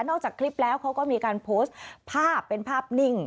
จากคลิปแล้วเขาก็มีการโพสต์ภาพเป็นภาพนิ่ง